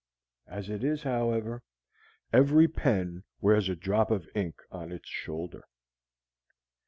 As it is, however, every pen wears a drop of ink on its shoulder.